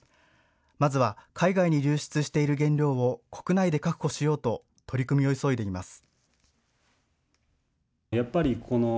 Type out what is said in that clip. まずは海外に流出している原料を国内で確保しようと取り組みを急いでいます。